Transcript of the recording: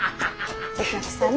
お客さん